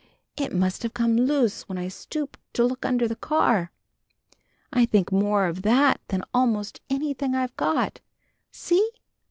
It must have come loose when I stooped to look under the car. I think more of that than almost anything I've got. See?"